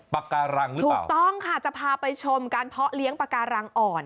ปากการังหรือเปล่าถูกต้องค่ะจะพาไปชมการเพาะเลี้ยงปาการังอ่อน